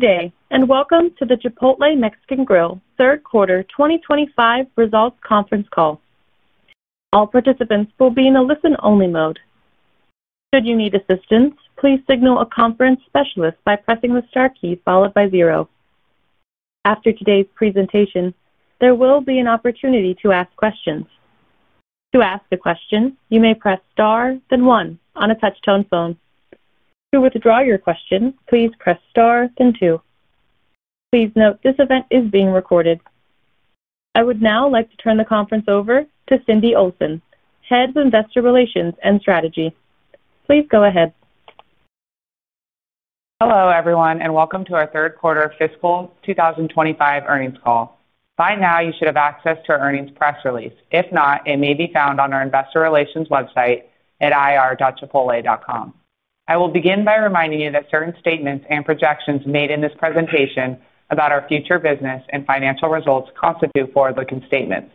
Good day and welcome to the Chipotle Mexican Grill, third quarter 2025 results conference call. All participants will be in a listen-only mode. Should you need assistance, please signal a conference specialist by pressing the star key followed by zero. After today's presentation, there will be an opportunity to ask questions. To ask a question, you may press star, then one on a touch-tone phone. To withdraw your question, please press star, then two. Please note this event is being recorded. I would now like to turn the conference over to Cindy Olsen, Head of Investor Relations and Strategy. Please go ahead. Hello, everyone, and welcome to our third quarter fiscal 2025 earnings call. By now, you should have access to our earnings press release. If not, it may be found on our Investor Relations website at ir.chipotle.com. I will begin by reminding you that certain statements and projections made in this presentation about our future business and financial results constitute forward-looking statements.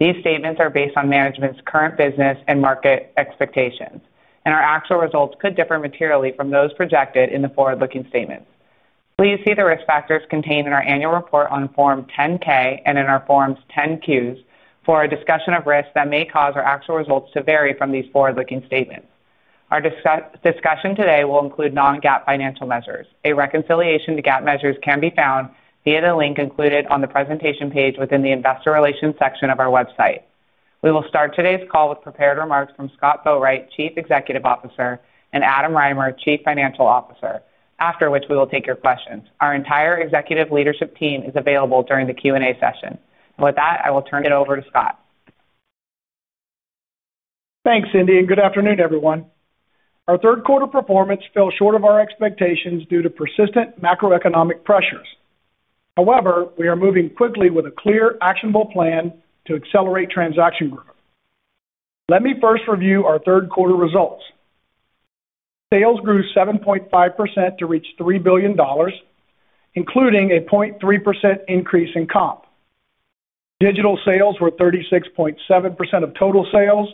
These statements are based on management's current business and market expectations, and our actual results could differ materially from those projected in the forward-looking statements. Please see the risk factors contained in our annual report on Form 10-K and in our Forms 10-Qs for a discussion of risks that may cause our actual results to vary from these forward-looking statements. Our discussion today will include non-GAAP financial measures. A reconciliation to GAAP measures can be found via the link included on the presentation page within the Investor Relations section of our website. We will start today's call with prepared remarks from Scott Boatwright, Chief Executive Officer, and Adam Rymer, Chief Financial Officer, after which we will take your questions. Our entire executive leadership team is available during the Q&A session. With that, I will turn it over to Scott. Thanks, Cindy, and good afternoon, everyone. Our third quarter performance fell short of our expectations due to persistent macroeconomic pressures. However, we are moving quickly with a clear, actionable plan to accelerate transaction growth. Let me first review our third quarter results. Sales grew 7.5% to reach $3 billion, including a 0.3% increase in comp. Digital sales were 36.7% of total sales.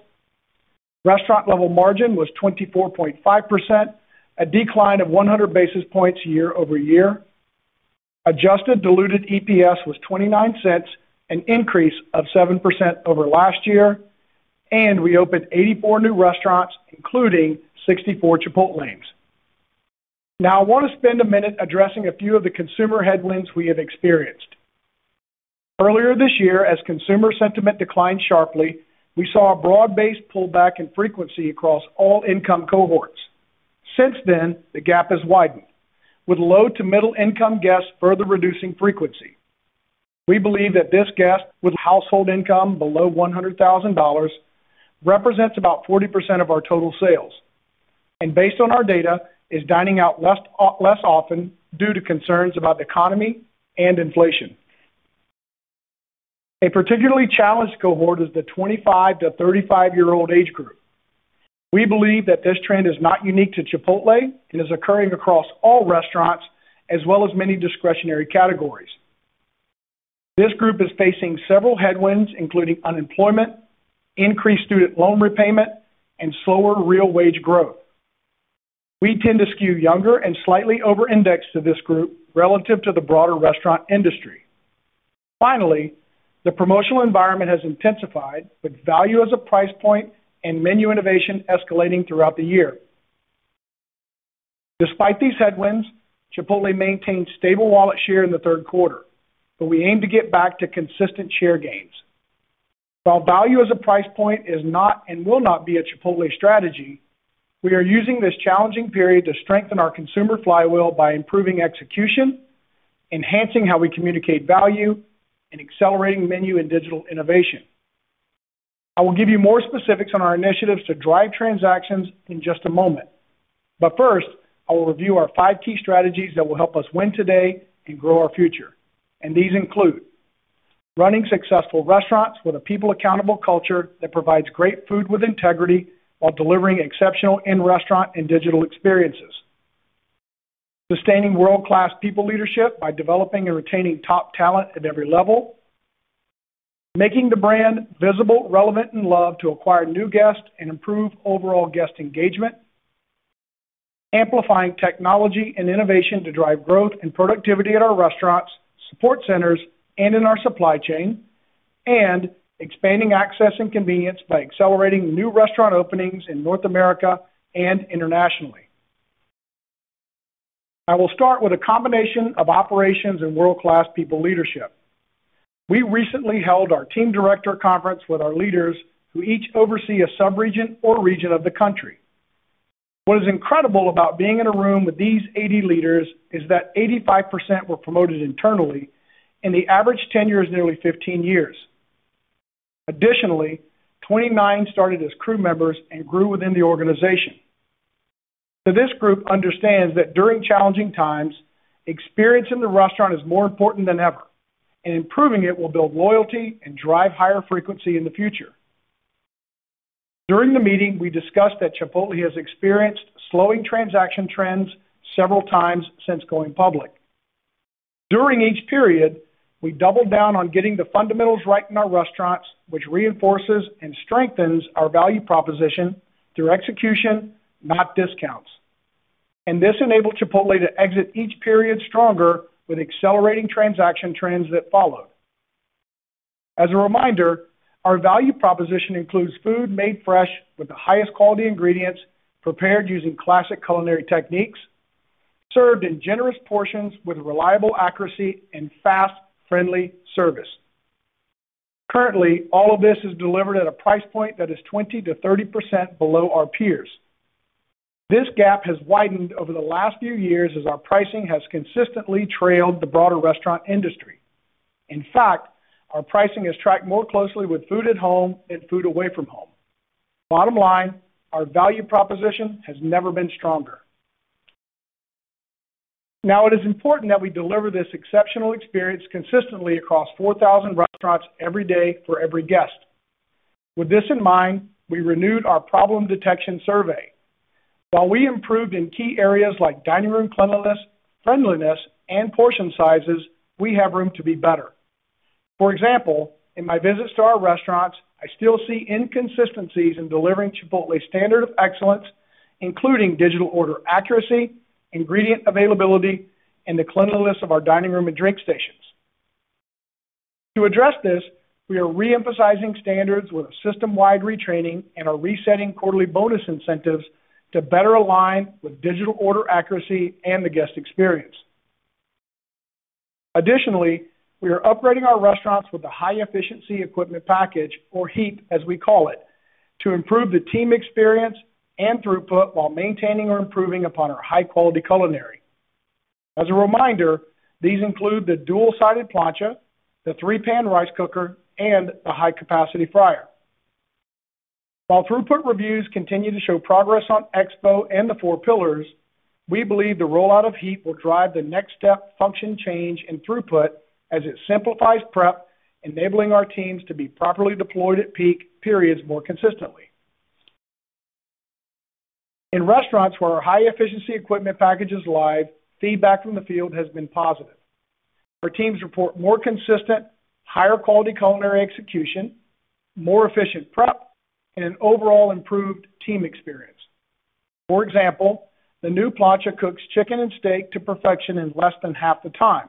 Restaurant-level margin was 24.5%, a decline of 100 basis points year-over-year. Adjusted diluted EPS was $0.29, an increase of 7% over last year, and we opened 84 new restaurants, including 64 Chipotlanes. Now, I want to spend a minute addressing a few of the consumer headwinds we have experienced. Earlier this year, as consumer sentiment declined sharply, we saw a broad-based pullback in frequency across all income cohorts. Since then, the gap has widened, with low to middle-income guests further reducing frequency. We believe that this guest, with household income below $100,000, represents about 40% of our total sales, and based on our data, is dining out less often due to concerns about the economy and inflation. A particularly challenged cohort is the 25-35 year old age group. We believe that this trend is not unique to Chipotle and is occurring across all restaurants, as well as many discretionary categories. This group is facing several headwinds, including unemployment, increased student loan repayment, and slower real wage growth. We tend to skew younger and slightly over-index to this group relative to the broader restaurant industry. Finally, the promotional environment has intensified, with value as a price point and menu innovation escalating throughout the year. Despite these headwinds, Chipotle maintained stable wallet share in the third quarter, but we aim to get back to consistent share gains. While value as a price point is not and will not be a Chipotle strategy, we are using this challenging period to strengthen our consumer flywheel by improving execution, enhancing how we communicate value, and accelerating menu and digital innovation. I will give you more specifics on our initiatives to drive transactions in just a moment. First, I will review our five key strategies that will help us win today and grow our future. These include running successful restaurants with a people-accountable culture that provides great food with integrity while delivering exceptional in-restaurant and digital experiences, sustaining world-class people leadership by developing and retaining top talent at every level, making the brand visible, relevant, and loved to acquire new guests and improve overall guest engagement, amplifying technology and innovation to drive growth and productivity at our restaurants, support centers, and in our supply chain, and expanding access and convenience by accelerating new restaurant openings in North America and internationally. I will start with a combination of operations and world-class people leadership. We recently held our team director conference with our leaders, who each oversee a sub-region or region of the country. What is incredible about being in a room with these 80 leaders is that 85% were promoted internally, and the average tenure is nearly 15 years. Additionally, 29 started as crew members and grew within the organization. This group understands that during challenging times, experience in the restaurant is more important than ever, and improving it will build loyalty and drive higher frequency in the future. During the meeting, we discussed that Chipotle has experienced slowing transaction trends several times since going public. During each period, we doubled down on getting the fundamentals right in our restaurants, which reinforces and strengthens our value proposition through execution, not discounts. This enabled Chipotle to exit each period stronger with accelerating transaction trends that followed. As a reminder, our value proposition includes food made fresh with the highest quality ingredients, prepared using classic culinary techniques, served in generous portions with reliable accuracy, and fast, friendly service. Currently, all of this is delivered at a price point that is 20%-30% below our peers. This gap has widened over the last few years as our pricing has consistently trailed the broader restaurant industry. In fact, our pricing has tracked more closely with food at home than food away from home. Bottom line, our value proposition has never been stronger. Now, it is important that we deliver this exceptional experience consistently across 4,000 restaurants every day for every guest. With this in mind, we renewed our problem detection survey. While we improved in key areas like dining room cleanliness, friendliness, and portion sizes, we have room to be better. For example, in my visits to our restaurants, I still see inconsistencies in delivering Chipotle's standard of excellence, including digital order accuracy, ingredient availability, and the cleanliness of our dining room and drink stations. To address this, we are reemphasizing standards with a system-wide retraining and are resetting quarterly bonus incentives to better align with digital order accuracy and the guest experience. Additionally, we are upgrading our restaurants with the High-Efficiency Equipment Package, or HEAP, as we call it, to improve the team experience and throughput while maintaining or improving upon our high-quality culinary. As a reminder, these include the dual-sided plancha, the three-pan rice cooker, and the high-capacity fryer. While throughput reviews continue to show progress on Expo and the four pillars, we believe the rollout of HEAP will drive the next step function change in throughput as it simplifies prep, enabling our teams to be properly deployed at peak periods more consistently. In restaurants where our High-Efficiency Equipment Package is live, feedback from the field has been positive. Our teams report more consistent, higher-quality culinary execution, more efficient prep, and an overall improved team experience. For example, the new plancha cooks chicken and steak to perfection in less than half the time,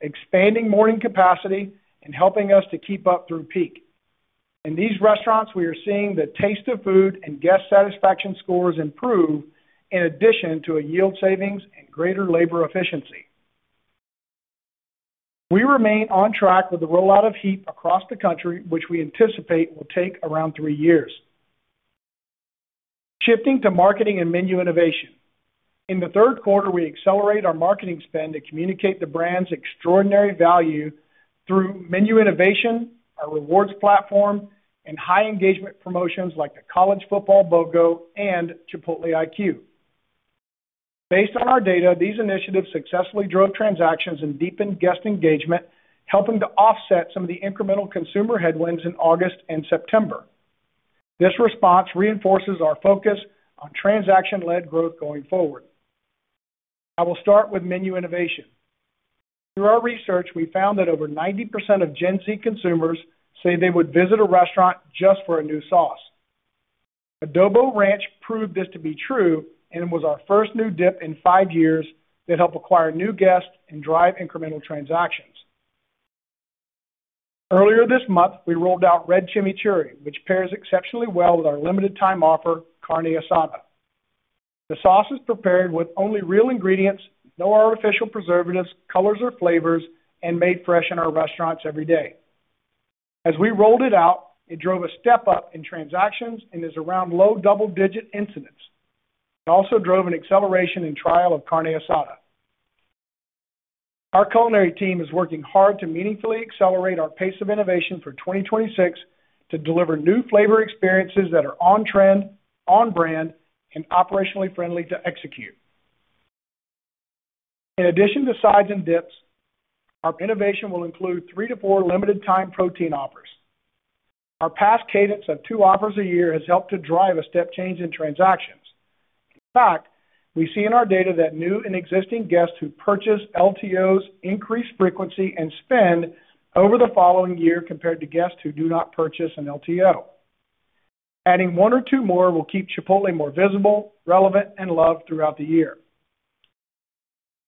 expanding morning capacity and helping us to keep up through peak. In these restaurants, we are seeing the taste of food and guest satisfaction scores improve in addition to a yield savings and greater labor efficiency. We remain on track with the rollout of HEAP across the country, which we anticipate will take around three years. Shifting to marketing and menu innovation, in the third quarter, we accelerate our marketing spend to communicate the brand's extraordinary value through menu innovation, our rewards platform, and high-engagement promotions like the college football logo and Chipotle IQ. Based on our data, these initiatives successfully drove transactions and deepened guest engagement, helping to offset some of the incremental consumer headwinds in August and September. This response reinforces our focus on transaction-led growth going forward. I will start with menu innovation. Through our research, we found that over 90% of Gen Z consumers say they would visit a restaurant just for a new sauce. Adobo Ranch proved this to be true, and it was our first new dip in five years that helped acquire new guests and drive incremental transactions. Earlier this month, we rolled out Red Chimichurri, which pairs exceptionally well with our limited-time offer, Carne Asada. The sauce is prepared with only real ingredients, no artificial preservatives, colors, or flavors, and made fresh in our restaurants every day. As we rolled it out, it drove a step up in transactions and is around low double-digit incidents. It also drove an acceleration in trial of Carne Asada. Our culinary team is working hard to meaningfully accelerate our pace of innovation for 2026 to deliver new flavor experiences that are on trend, on brand, and operationally friendly to execute. In addition to sides and dips, our innovation will include three to four limited-time protein offers. Our past cadence of two offers a year has helped to drive a step change in transactions. In fact, we see in our data that new and existing guests who purchase LTOs increase frequency and spend over the following year compared to guests who do not purchase an LTO. Adding one or two more will keep Chipotle more visible, relevant, and loved throughout the year.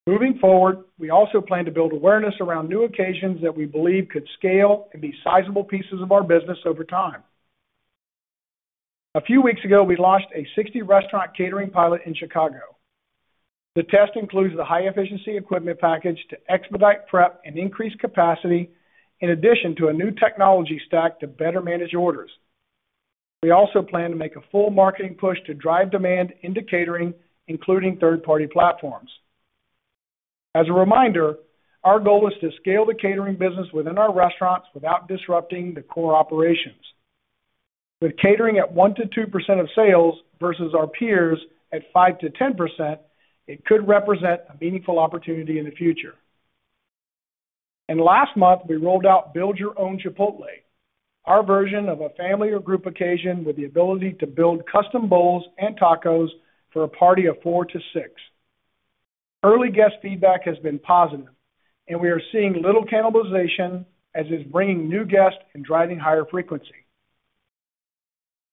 Moving forward, we also plan to build awareness around new occasions that we believe could scale and be sizable pieces of our business over time. A few weeks ago, we launched a 60-restaurant catering pilot in Chicago. The test includes the High-Efficiency Equipment Package to expedite prep and increase capacity, in addition to a new technology stack to better manage orders. We also plan to make a full marketing push to drive demand into catering, including third-party platforms. As a reminder, our goal is to scale the catering business within our restaurants without disrupting the core operations. With catering at 1%-2% of sales versus our peers at %-10%, it could represent a meaningful opportunity in the future. Last month, we rolled out Build-Your-Own Chipotle, our version of a family or group occasion with the ability to build custom bowls and tacos for a party of four to six. Early guest feedback has been positive, and we are seeing little cannibalization, as it's bringing new guests and driving higher frequency.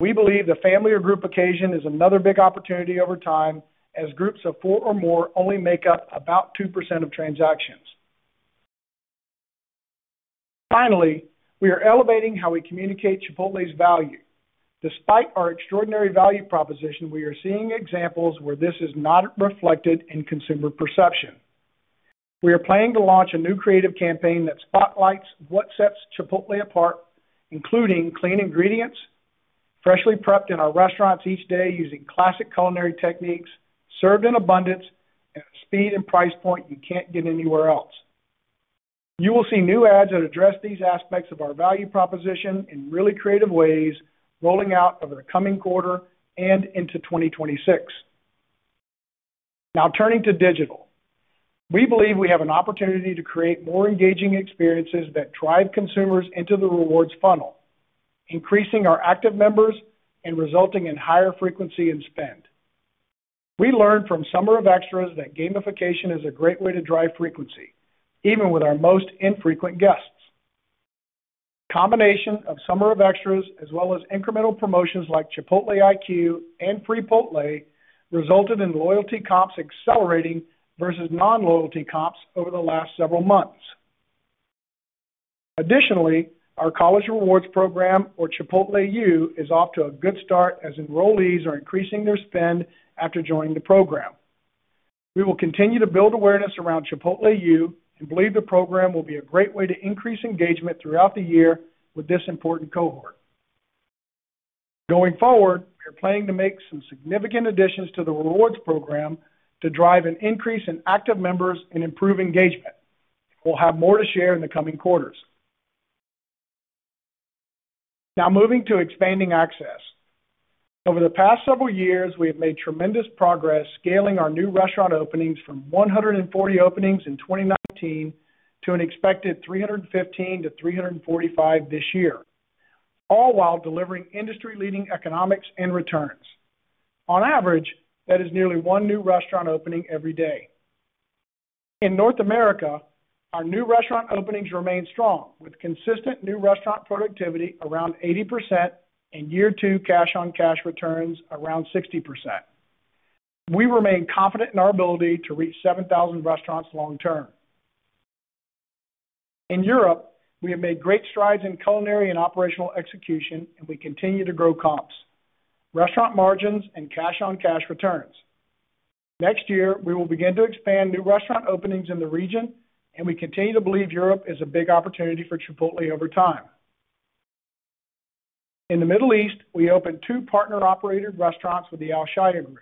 We believe the family or group occasion is another big opportunity over time, as groups of four or more only make up about 2% of transactions. Finally, we are elevating how we communicate Chipotle's value. Despite our extraordinary value proposition, we are seeing examples where this is not reflected in consumer perception. We are planning to launch a new creative campaign that spotlights what sets Chipotle apart, including clean ingredients, freshly prepped in our restaurants each day using classic culinary techniques, served in abundance, and a speed and price point you can't get anywhere else. You will see new ads that address these aspects of our value proposition in really creative ways, rolling out over the coming quarter and into 2026. Now, turning to digital, we believe we have an opportunity to create more engaging experiences that drive consumers into the rewards funnel, increasing our active members and resulting in higher frequency and spend. We learned from Summer of Extras that gamification is a great way to drive frequency, even with our most infrequent guests. The combination of Summer of Extras, as well as incremental promotions like Chipotle IQ and Freepotle, resulted in loyalty comps accelerating versus non-loyalty comps over the last several months. Additionally, our college rewards program, or Chipotle U, is off to a good start as enrollees are increasing their spend after joining the program. We will continue to build awareness around Chipotle U and believe the program will be a great way to increase engagement throughout the year with this important cohort. Going forward, we are planning to make some significant additions to the rewards program to drive an increase in active members and improve engagement. We will have more to share in the coming quarters. Now, moving to expanding access. Over the past several years, we have made tremendous progress scaling our new restaurant openings from 140 openings in 2019 to an expected 315-345 this year, all while delivering industry-leading economics and returns. On average, that is nearly one new restaurant opening every day. In North America, our new restaurant openings remain strong, with consistent new restaurant productivity around 80% and year-two cash-on-cash returns around 60%. We remain confident in our ability to reach 7,000 restaurants long term. In Europe, we have made great strides in culinary and operational execution, and we continue to grow comps, restaurant margins, and cash-on-cash returns. Next year, we will begin to expand new restaurant openings in the region, and we continue to believe Europe is a big opportunity for Chipotle over time. In the Middle East, we opened two partner-operated restaurants with the Alshaya Group,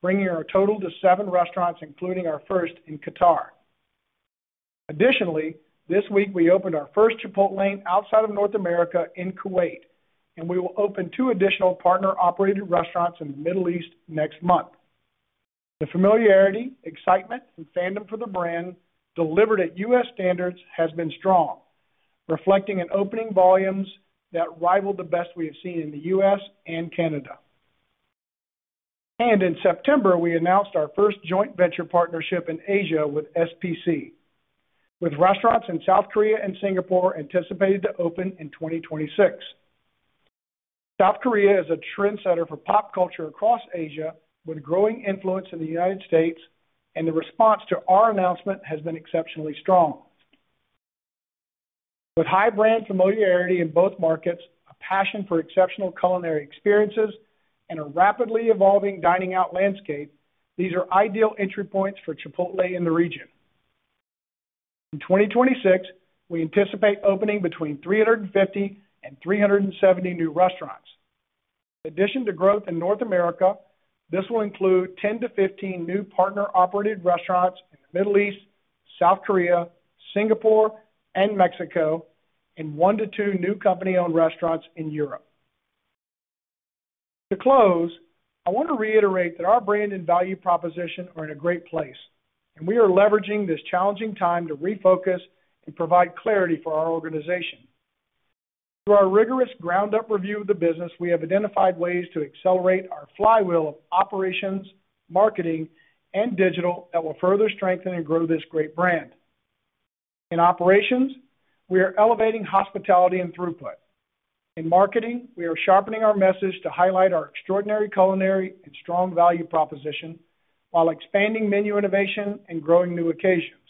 bringing our total to seven restaurants, including our first in Qatar. Additionally, this week we opened our first Chipotle outside of North America in Kuwait, and we will open two additional partner-operated restaurants in the Middle East next month. The familiarity, excitement, and fandom for the brand delivered at U.S. standards has been strong, reflecting in opening volumes that rival the best we have seen in the U.S. and Canada. In September, we announced our first joint venture partnership in Asia with SPC, with restaurants in South Korea and Singapore anticipated to open in 2026. South Korea is a trendsetter for pop culture across Asia, with a growing influence in the United States, and the response to our announcement has been exceptionally strong. With high brand familiarity in both markets, a passion for exceptional culinary experiences, and a rapidly evolving dining out landscape, these are ideal entry points for Chipotle in the region. In 2026, we anticipate opening between 350 and 370 new restaurants. In addition to growth in North America, this will include 10-15 new partner-operated restaurants in the Middle East, South Korea, Singapore, and Mexico, and one to two new company-owned restaurants in Europe. To close, I want to reiterate that our brand and value proposition are in a great place, and we are leveraging this challenging time to refocus and provide clarity for our organization. Through our rigorous ground-up review of the business, we have identified ways to accelerate our flywheel of operations, marketing, and digital that will further strengthen and grow this great brand. In operations, we are elevating hospitality and throughput. In marketing, we are sharpening our message to highlight our extraordinary culinary and strong value proposition while expanding menu innovation and growing new occasions.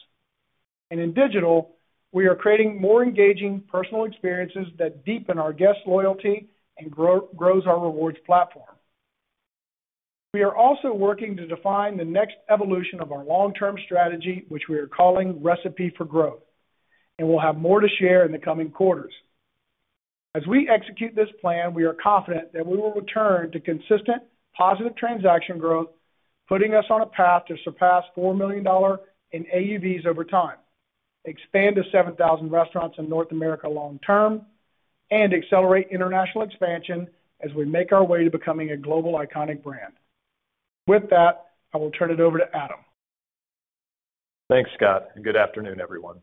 In digital, we are creating more engaging personal experiences that deepen our guest loyalty and grow our rewards platform. We are also working to define the next evolution of our long-term strategy, which we are calling Recipe for Growth, and we'll have more to share in the coming quarters. As we execute this plan, we are confident that we will return to consistent, positive transaction growth, putting us on a path to surpass $4 million in AUVs over time, expand to 7,000 restaurants in North America long term, and accelerate international expansion as we make our way to becoming a global iconic brand. With that, I will turn it over to Adam. Thanks, Scott, and good afternoon, everyone.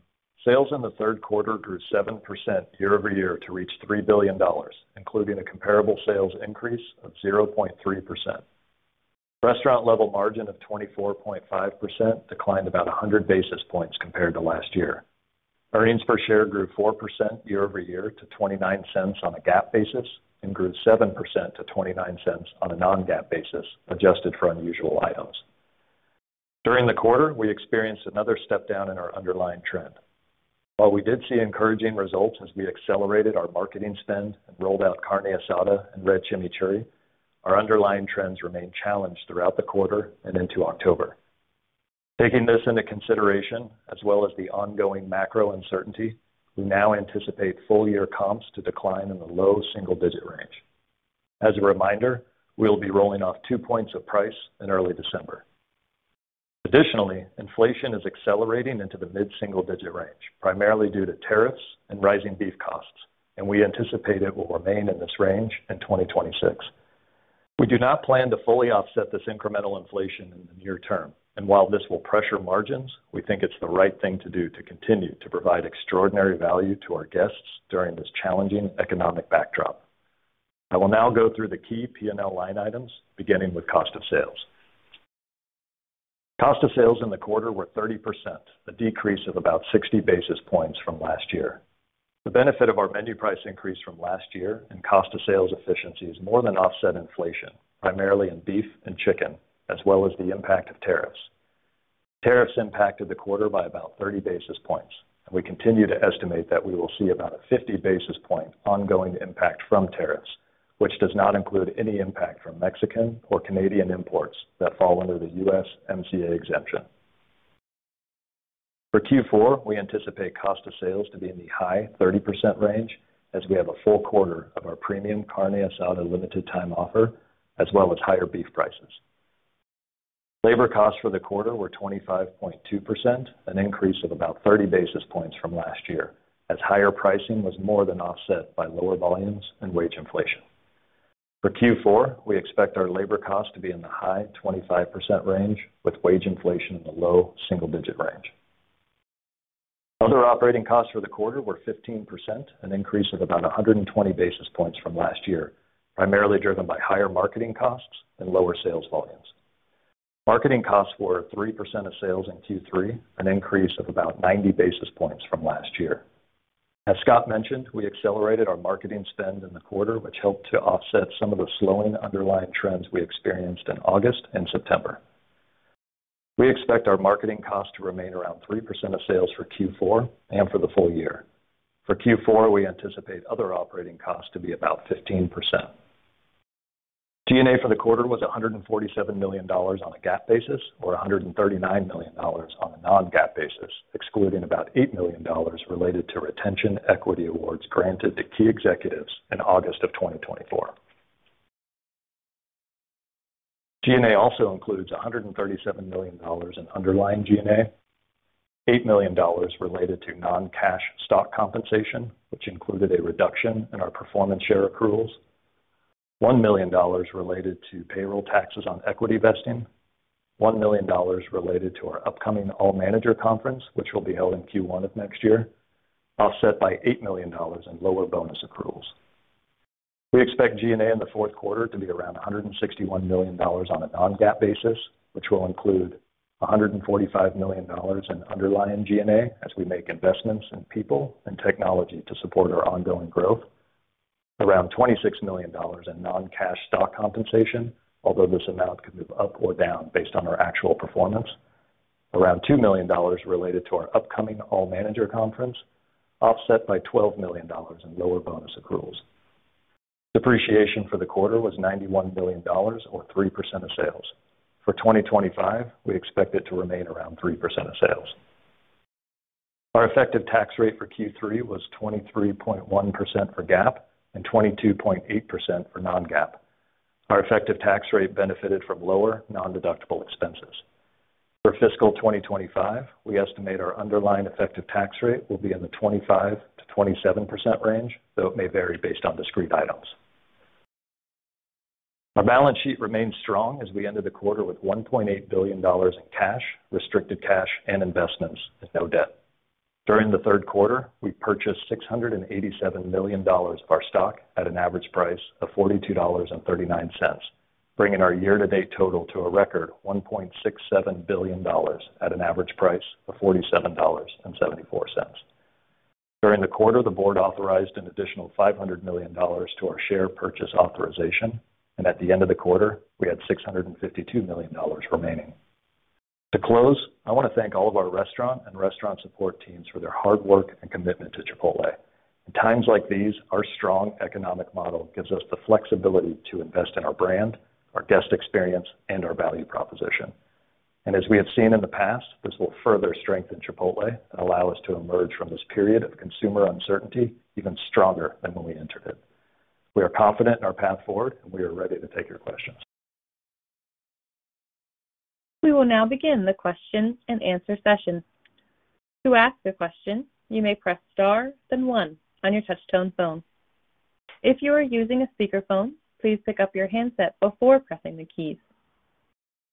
Sales in the third quarter grew 7% year-over-year to reach $3 billion, including a comparable sales increase of 0.3%. Restaurant-level margin of 24.5% declined about 100 basis points compared to last year. Earnings per share grew 4% year-over-year to $0.29 on a GAAP basis and grew 7% to $0.29 on a non-GAAP basis, adjusted for unusual items. During the quarter, we experienced another step down in our underlying trend. While we did see encouraging results as we accelerated our marketing spend and rolled out Carne Asada and Red Chimichurri, our underlying trends remain challenged throughout the quarter and into October. Taking this into consideration, as well as the ongoing macro uncertainty, we now anticipate full-year comps to decline in the low single-digit range. As a reminder, we will be rolling off two points of price in early December. Additionally, inflation is accelerating into the mid-single-digit range, primarily due to tariffs and rising beef costs, and we anticipate it will remain in this range in 2026. We do not plan to fully offset this incremental inflation in the near term, and while this will pressure margins, we think it's the right thing to do to continue to provide extraordinary value to our guests during this challenging economic backdrop. I will now go through the key P&L line items, beginning with cost of sales. Cost of sales in the quarter were 30%, a decrease of about 60 basis points from last year. The benefit of our menu price increase from last year and cost of sales efficiency is more than offset inflation, primarily in beef and chicken, as well as the impact of tariffs. Tariffs impacted the quarter by about 30 basis points, and we continue to estimate that we will see about a 50 basis point ongoing impact from tariffs, which does not include any impact from Mexican or Canadian imports that fall under the USMCA exemption. For Q4, we anticipate cost of sales to be in the high 30% range as we have a full quarter of our premium Carne Asada limited-time offer, as well as higher beef prices. Labor costs for the quarter were 25.2%, an increase of about 30 basis points from last year, as higher pricing was more than offset by lower volumes and wage inflation. For Q4, we expect our labor costs to be in the high 25% range, with wage inflation in the low single-digit range. Other operating costs for the quarter were 15%, an increase of about 120 basis points from last year, primarily driven by higher marketing costs and lower sales volumes. Marketing costs were 3% of sales in Q3, an increase of about 90 basis points from last year. As Scott mentioned, we accelerated our marketing spend in the quarter, which helped to offset some of the slowing underlying trends we experienced in August and September. We expect our marketing costs to remain around 3% of sales for Q4 and for the full year. For Q4, we anticipate other operating costs to be about 15%. G&A for the quarter was $147 million on a GAAP basis or $139 million on a non-GAAP basis, excluding about $8 million related to retention equity awards granted to key executives in August of 2024. G&A also includes $137 million in underlying G&A, $8 million related to non-cash stock compensation, which included a reduction in our performance share accruals, $1 million related to payroll taxes on equity vesting, $1 million related to our upcoming all-manager conference, which will be held in Q1 of next year, offset by $8 million in lower bonus accruals. We expect G&A in the fourth quarter to be around $161 million on a non-GAAP basis, which will include $145 million in underlying G&A as we make investments in people and technology to support our ongoing growth, around $26 million in non-cash stock compensation, although this amount could move up or down based on our actual performance, around $2 million related to our upcoming all-manager conference, offset by $12 million in lower bonus accruals. Depreciation for the quarter was $91 million or 3% of sales. For 2025, we expect it to remain around 3% of sales. Our effective tax rate for Q3 was 23.1% for GAAP and 22.8% for non-GAAP. Our effective tax rate benefited from lower non-deductible expenses. For fiscal 2025, we estimate our underlying effective tax rate will be in the 25%-27% range, though it may vary based on discrete items. Our balance sheet remains strong as we ended the quarter with $1.8 billion in cash, restricted cash, and investments and no debt. During the third quarter, we purchased $687 million of our stock at an average price of $42.39, bringing our year-to-date total to a record $1.67 billion at an average price of $47.74. During the quarter, the board authorized an additional $500 million to our share purchase authorization, and at the end of the quarter, we had $652 million remaining. To close, I want to thank all of our restaurant and restaurant support teams for their hard work and commitment to Chipotle. In times like these, our strong economic model gives us the flexibility to invest in our brand, our guest experience, and our value proposition. As we have seen in the past, this will further strengthen Chipotle and allow us to emerge from this period of consumer uncertainty even stronger than when we entered it. We are confident in our path forward, and we are ready to take your questions. We will now begin the question and answer session. To ask a question, you may press star, then one on your touch-tone phone. If you are using a speakerphone, please pick up your handset before pressing the keys.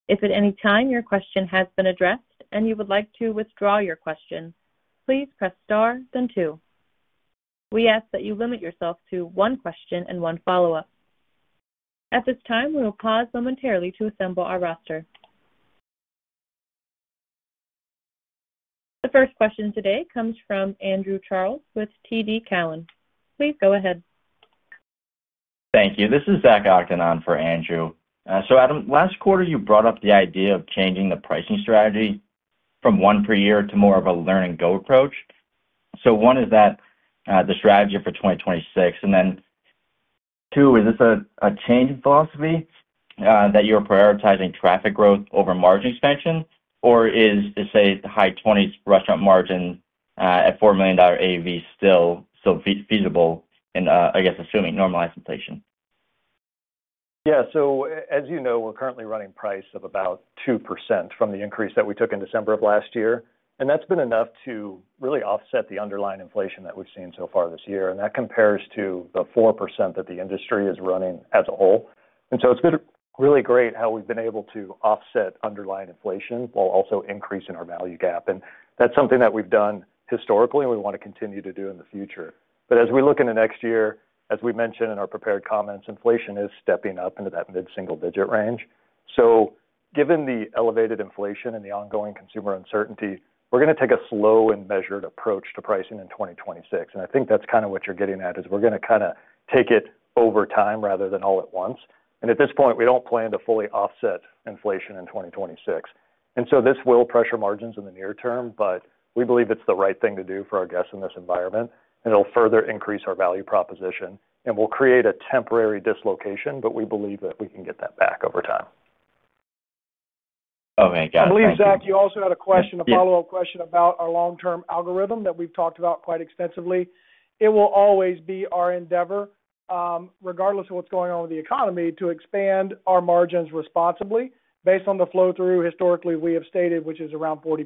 If at any time your question has been addressed and you would like to withdraw your question, please press star, then two. We ask that you limit yourself to one question and one follow-up. At this time, we will pause momentarily to assemble our roster. The first question today comes from Andrew Charles with TD Cowen. Please go ahead. Thank you. This is Zach Ogden on for Andrew. Adam, last quarter you brought up the idea of changing the pricing strategy from one per year to more of a learn-and-go approach. One, is that the strategy for 2026, and two, is this a change in philosophy that you're prioritizing traffic growth over margin expansion, or is, say, the high 20s restaurant margin at $4 million AUV still feasible, I guess, assuming normalized inflation? Yeah, as you know, we're currently running a price of about 2% from the increase that we took in December of last year, and that's been enough to really offset the underlying inflation that we've seen so far this year, and that compares to the 4% that the industry is running as a whole. It's been really great how we've been able to offset underlying inflation while also increasing our value gap, and that's something that we've done historically and we want to continue to do in the future. As we look into next year, as we mentioned in our prepared comments, inflation is stepping up into that mid-single-digit range. Given the elevated inflation and the ongoing consumer uncertainty, we're going to take a slow and measured approach to pricing in 2026, and I think that's kind of what you're getting at is we're going to take it over time rather than all at once. At this point, we don't plan to fully offset inflation in 2026, and this will pressure margins in the near term, but we believe it's the right thing to do for our guests in this environment, and it'll further increase our value proposition and will create a temporary dislocation, but we believe that we can get that back over time. Okay, got it. I believe, Zach, you also had a question, a follow-up question about our long-term algorithm that we've talked about quite extensively. It will always be our endeavor, regardless of what's going on with the economy, to expand our margins responsibly based on the flow-through historically we have stated, which is around 40%.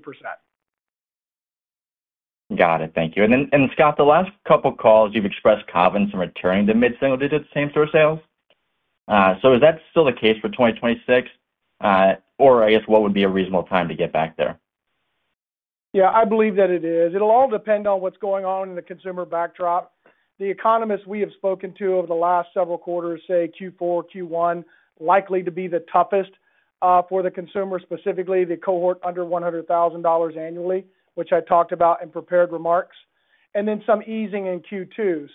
Got it. Thank you. Scott, the last couple of calls, you've expressed confidence in returning to mid-single-digit same-store sales. Is that still the case for 2026, or what would be a reasonable time to get back there? Yeah, I believe that it is. It'll all depend on what's going on in the consumer backdrop. The economists we have spoken to over the last several quarters say Q4, Q1 likely to be the toughest for the consumer, specifically the cohort under $100,000 annually, which I talked about in prepared remarks, and then some easing in Q2.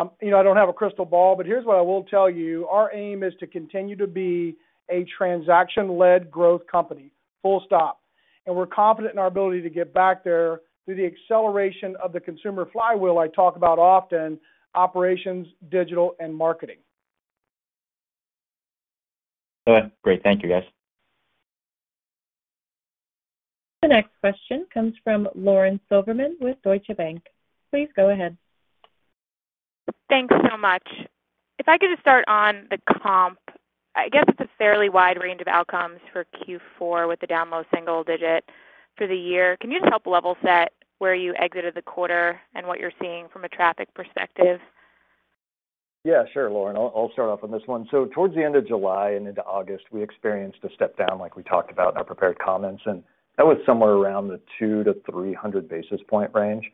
I don't have a crystal ball, but here's what I will tell you. Our aim is to continue to be a transaction-led growth company, full stop. We're confident in our ability to get back there through the acceleration of the consumer flywheel I talk about often, operations, digital, and marketing. Great. Thank you, guys. The next question comes from Lauren Silberman with Deutsche Bank. Please go ahead. Thanks so much. If I could just start on the comp, I guess it's a fairly wide range of outcomes for Q4 with the down low single-digit for the year. Can you just help level set where you exited the quarter and what you're seeing from a traffic perspective? Yeah, sure, Lauren. I'll start off on this one. Towards the end of July and into August, we experienced a step down like we talked about in our prepared comments, and that was somewhere around the 200 to 300 basis point range.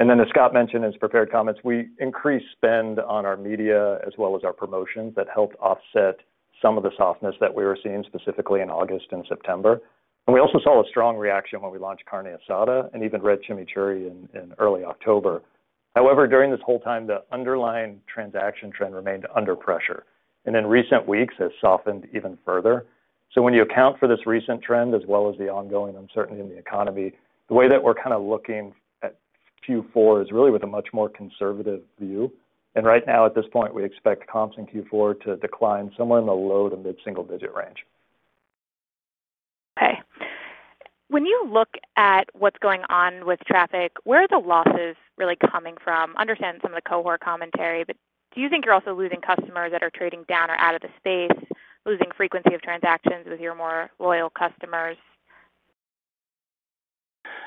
As Scott mentioned in his prepared comments, we increased spend on our media as well as our promotions that helped offset some of the softness that we were seeing specifically in August and September. We also saw a strong reaction when we launched Carne Asada and even Red Chimichurri in early October. However, during this whole time, the underlying transaction trend remained under pressure, and in recent weeks, it has softened even further. When you account for this recent trend as well as the ongoing uncertainty in the economy, the way that we're kind of looking at Q4 is really with a much more conservative view. Right now, at this point, we expect comps in Q4 to decline somewhere in the low to mid-single-digit range. Okay. When you look at what's going on with traffic, where are the losses really coming from? Understand some of the cohort commentary, but do you think you're also losing customers that are trading down or out of the space, losing frequency of transactions with your more loyal customers?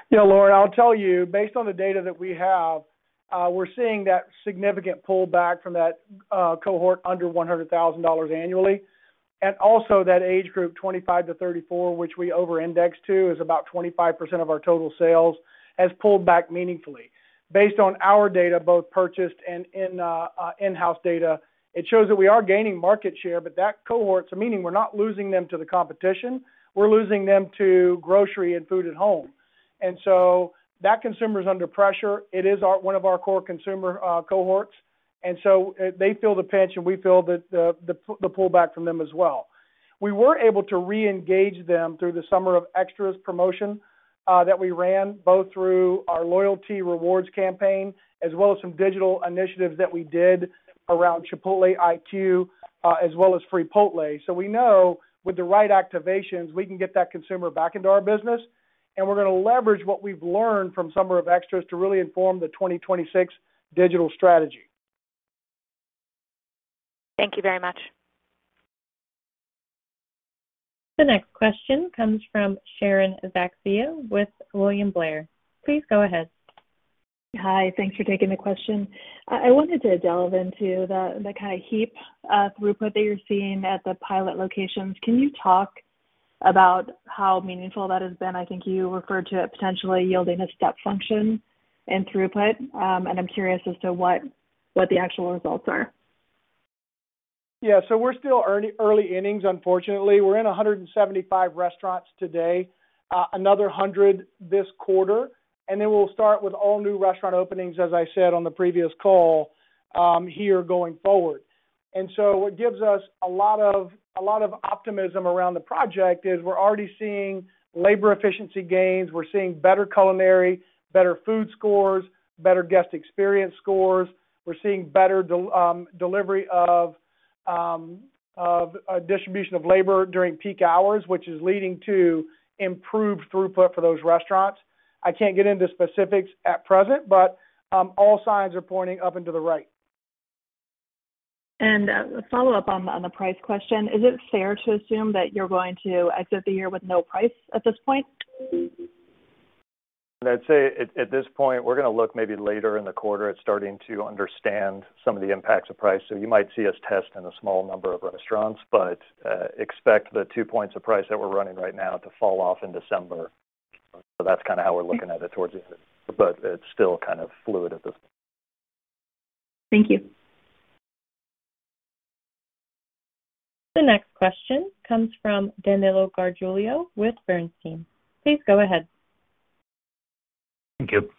Yeah, Lauren, I'll tell you, based on the data that we have, we're seeing that significant pullback from that cohort under $100,000 annually. Also, that age group 25-34, which we over-index to, is about 25% of our total sales, has pulled back meaningfully. Based on our data, both purchased and in-house data, it shows that we are gaining market share, but that cohort, so meaning we're not losing them to the competition, we're losing them to grocery and food at home. That consumer is under pressure. It is one of our core consumer cohorts, and they feel the pinch, and we feel the pullback from them as well. We were able to re-engage them through the Summer of Extras promotion that we ran, both through our loyalty rewards campaign, as well as some digital initiatives that we did around Chipotle IQ, as well as Freepotle, so we know with the right activations, we can get that consumer back into our business, and we're going to leverage what we've learned from Summer of Extras to really inform the 2026 digital strategy. Thank you very much. The next question comes from Sharon Zackfia with William Blair. Please go ahead. Hi, thanks for taking the question. I wanted to delve into the kind of HEAP throughput that you're seeing at the pilot locations. Can you talk about how meaningful that has been? I think you referred to it potentially yielding a step function in throughput, and I'm curious as to what the actual results are. Yeah, we're still early innings, unfortunately. We're in 175 restaurants today, another 100 this quarter, and we'll start with all new restaurant openings, as I said on the previous call, here going forward. What gives us a lot of optimism around the project is we're already seeing labor efficiency gains. We're seeing better culinary, better food scores, better guest experience scores. We're seeing better delivery of distribution of labor during peak hours, which is leading to improved throughput for those restaurants. I can't get into specifics at present, but all signs are pointing up into the right. Is it fair to assume that you're going to exit the year with no price at this point? I'd say at this point, we're going to look maybe later in the quarter at starting to understand some of the impacts of price. You might see us test in a small number of restaurants, but expect the 2% of price that we're running right now to fall off in December. That's kind of how we're looking at it towards the end of the year, but it's still kind of fluid at this point. Thank you. The next question comes from Danilo Gargiulo with Bernstein. Please go ahead. Thank you.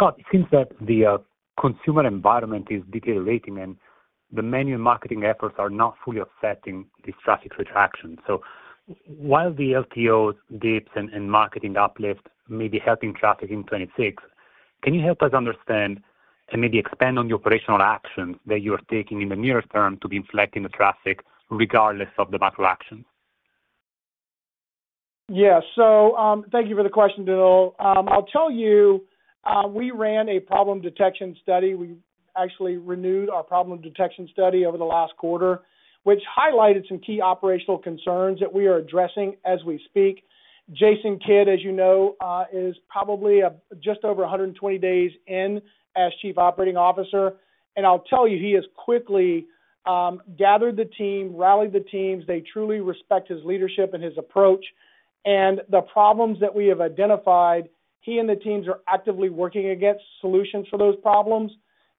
Scott, it seems that the consumer environment is deteriorating, and the menu and marketing efforts are not fully offsetting this traffic retraction. While the LTOs, dips, and marketing uplift may be helping traffic in 2026, can you help us understand and maybe expand on the operational actions that you are taking in the near term to be inflecting the traffic regardless of the macro actions? Thank you for the question, Danilo. I'll tell you, we ran a problem detection study. We actually renewed our problem detection study over the last quarter, which highlighted some key operational concerns that we are addressing as we speak. Jason Kidd, as you know, is probably just over 120 days in as Chief Operating Officer, and I'll tell you, he has quickly gathered the team, rallied the teams. They truly respect his leadership and his approach. The problems that we have identified, he and the teams are actively working against solutions for those problems,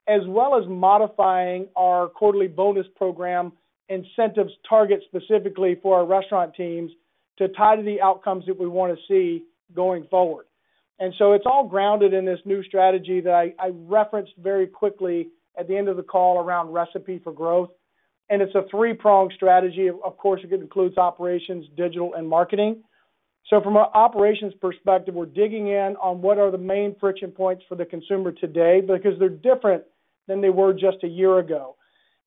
as well as modifying our quarterly bonus program incentives target specifically for our restaurant teams to tie to the outcomes that we want to see going forward. It's all grounded in this new strategy that I referenced very quickly at the end of the call around recipe for growth. It's a three-pronged strategy. Of course, it includes operations, digital, and marketing. From an operations perspective, we're digging in on what are the main friction points for the consumer today because they're different than they were just a year ago.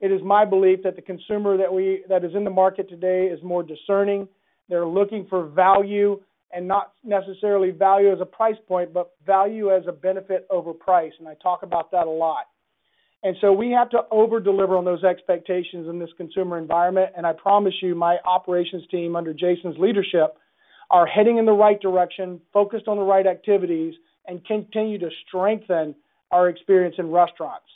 It is my belief that the consumer that is in the market today is more discerning. They're looking for value and not necessarily value as a price point, but value as a benefit over price, and I talk about that a lot. We have to over-deliver on those expectations in this consumer environment, and I promise you, my operations team under Jason's leadership are heading in the right direction, focused on the right activities, and continue to strengthen our experience in restaurants.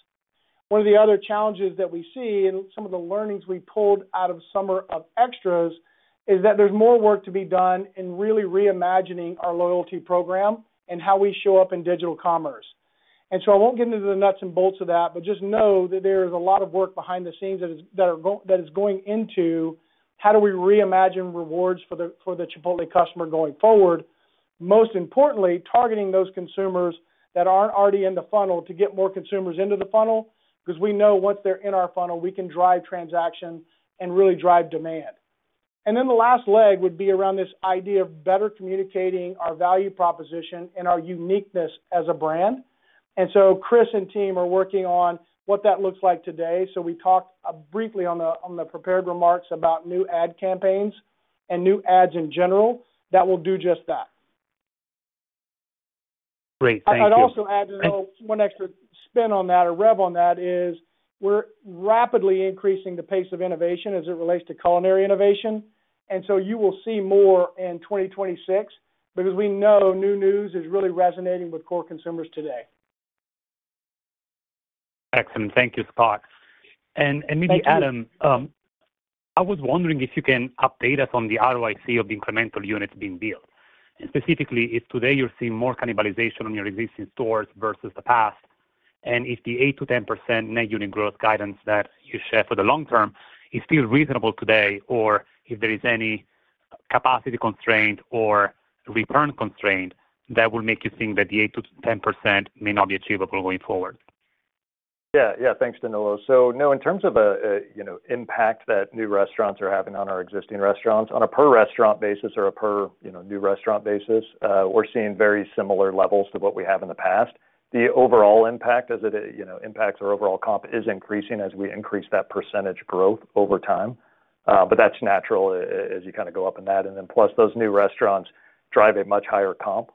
One of the other challenges that we see in some of the learnings we pulled out of Summer of Extras is that there's more work to be done in really reimagining our loyalty program and how we show up in digital commerce. I won't get into the nuts and bolts of that, but just know that there is a lot of work behind the scenes that is going into how do we reimagine rewards for the Chipotle customer going forward, most importantly, targeting those consumers that aren't already in the funnel to get more consumers into the funnel because we know once they're in our funnel, we can drive transaction and really drive demand. The last leg would be around this idea of better communicating our value proposition and our uniqueness as a brand. Chris and team are working on what that looks like today. We talked briefly on the prepared remarks about new ad campaigns and new ads in general that will do just that. Great, thank you. I'd also add, you know, one extra spin on that, a rev on that is we're rapidly increasing the pace of innovation as it relates to culinary innovation. You will see more in 2026 because we know new news is really resonating with core consumers today. Excellent. Thank you, Scott. Maybe, Adam, I was wondering if you can update us on the ROIC of the incremental units being built, specifically if today you're seeing more cannibalization on your existing stores versus the past, and if the 8%-10% net unit growth guidance that you share for the long term is still reasonable today, or if there is any capacity constraint or return constraint that will make you think that the 8%-10% may not be achievable going forward. Yeah, thanks, Danilo. No, in terms of impact that new restaurants are having on our existing restaurants on a per restaurant basis or a per new restaurant basis, we're seeing very similar levels to what we have in the past. The overall impact, as it impacts our overall comp, is increasing as we increase that percentage growth over time. That's natural as you kind of go up in that. Plus, those new restaurants drive a much higher comp.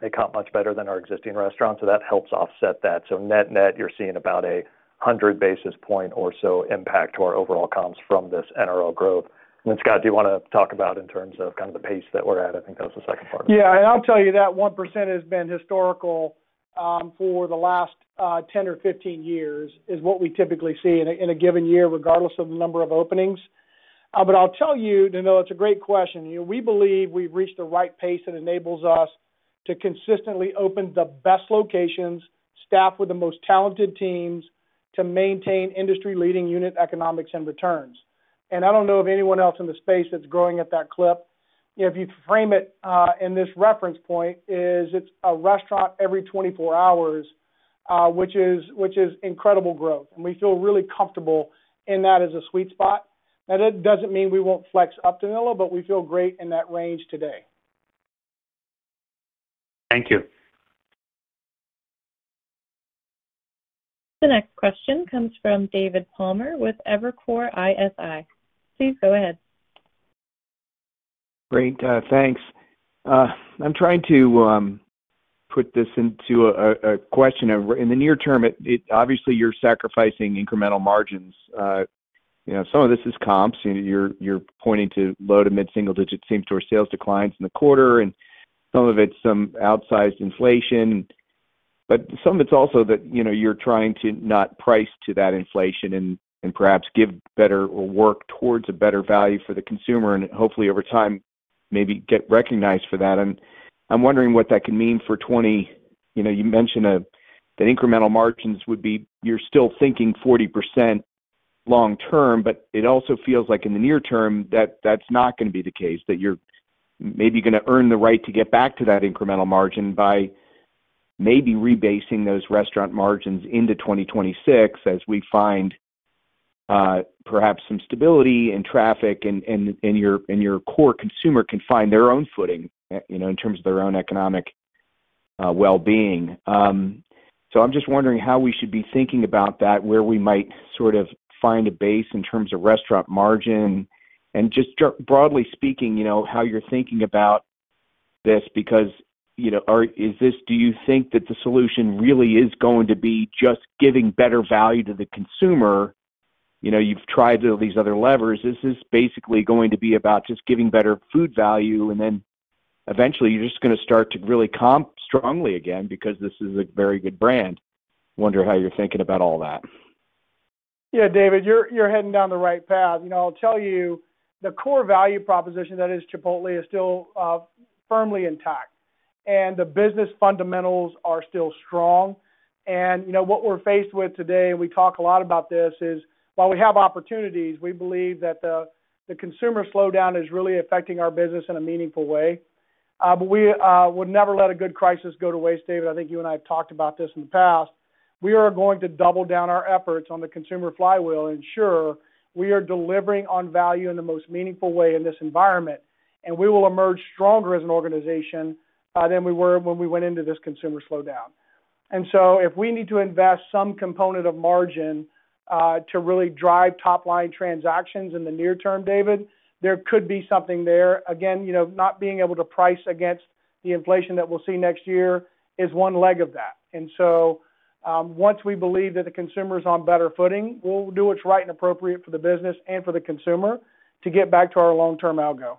They comp much better than our existing restaurants, so that helps offset that. Net-net, you're seeing about a 100 basis point or so impact to our overall comps from this NRL growth. Scott, do you want to talk about in terms of the pace that we're at? I think that was the second part of it. Yeah, and I'll tell you that 1% has been historical for the last 10 or 15 years, is what we typically see in a given year, regardless of the number of openings. I'll tell you, Danilo, it's a great question. We believe we've reached the right pace that enables us to consistently open the best locations, staff with the most talented teams to maintain industry-leading unit economics and returns. I don't know of anyone else in the space that's growing at that clip. If you frame it in this reference point, it's a restaurant every 24 hours, which is incredible growth. We feel really comfortable in that as a sweet spot. That doesn't mean we won't flex up, Danilo, but we feel great in that range today. Thank you. The next question comes from David Palmer with Evercore ISI. Please go ahead. Great, thanks. I'm trying to put this into a question. In the near term, obviously, you're sacrificing incremental margins. Some of this is comps. You're pointing to low to mid-single-digit same-store sales declines in the quarter, and some of it's some outsized inflation. Some of it's also that you're trying to not price to that inflation and perhaps give better or work towards a better value for the consumer and hopefully over time maybe get recognized for that. I'm wondering what that can mean for 2020. You mentioned that incremental margins would be, you're still thinking 40% long term, but it also feels like in the near term that that's not going to be the case, that you're maybe going to earn the right to get back to that incremental margin by maybe rebasing those restaurant margins into 2026 as we find perhaps some stability in traffic and your core consumer can find their own footing in terms of their own economic well-being. I'm just wondering how we should be thinking about that, where we might sort of find a base in terms of restaurant margin and just broadly speaking, how you're thinking about this because, do you think that the solution really is going to be just giving better value to the consumer? You've tried these other levers. This is basically going to be about just giving better food value, and then eventually you're just going to start to really comp strongly again because this is a very good brand. I wonder how you're thinking about all that. Yeah, David, you're heading down the right path. I'll tell you, the core value proposition that is Chipotle is still firmly intact, and the business fundamentals are still strong. What we're faced with today, and we talk a lot about this, is while we have opportunities, we believe that the consumer slowdown is really affecting our business in a meaningful way. We would never let a good crisis go to waste, David. I think you and I have talked about this in the past. We are going to double down our efforts on the consumer flywheel and ensure we are delivering on value in the most meaningful way in this environment. We will emerge stronger as an organization than we were when we went into this consumer slowdown. If we need to invest some component of margin to really drive top-line transactions in the near term, David, there could be something there. Not being able to price against the inflation that we'll see next year is one leg of that. Once we believe that the consumer is on better footing, we'll do what's right and appropriate for the business and for the consumer to get back to our long-term algo.